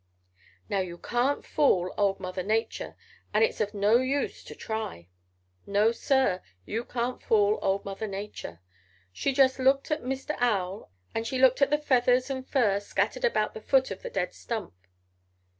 "Now you can't fool old Mother Nature and it's of no use to try. No, Sir, you can't fool old Mother Nature. She just looked at Mr. Owl and she looked at the feathers and fur scattered about the foot of the dead stump.